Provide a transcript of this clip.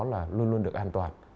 luôn luôn được an toàn